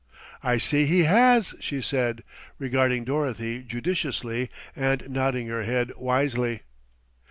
"I see he has," she said, regarding Dorothy judicially and nodding her head wisely.